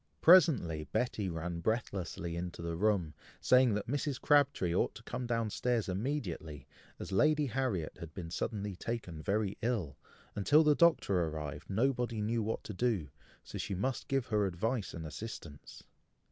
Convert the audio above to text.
Presently Betty ran breathlessly into the room, saying that Mrs. Crabtree ought to come down stairs immediately, as Lady Harriet had been suddenly taken very ill, and, till the Doctor arrived, nobody knew what to do, so she must give her advice and assistance.